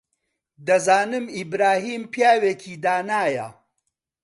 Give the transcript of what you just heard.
دەزانم ئیبراهیم پیاوێکی دانایە.